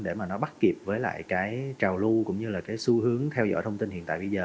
để bắt kịp với trào lưu cũng như xu hướng theo dõi thông tin hiện tại bây giờ